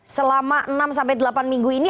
selama enam sampai delapan minggu ini